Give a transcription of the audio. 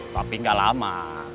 tapi gak lama